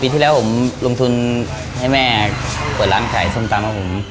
ที่แล้วผมลงทุนให้แม่เปิดร้านขายส้มตำของผม